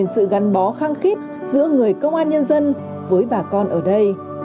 sự gắn bó khăng khít giữa người công an nhân dân với bà con ở đây